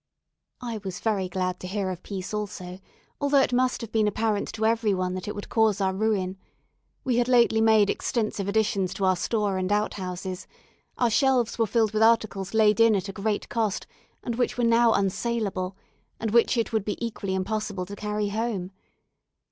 I was very glad to hear of peace, also, although it must have been apparent to every one that it would cause our ruin. We had lately made extensive additions to our store and out houses our shelves were filled with articles laid in at a great cost, and which were now unsaleable, and which it would be equally impossible to carry home.